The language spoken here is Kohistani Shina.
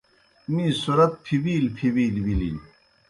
می صُرَت پِھبِیلیْ پِھبِیلیْ بِلِن۔